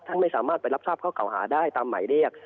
ไม่สามารถไปรับทราบข้อเก่าหาได้ตามหมายเรียก